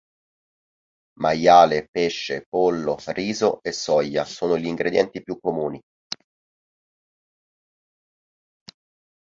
Maiale, pesce, pollo, riso e soia sono gli ingredienti più comuni.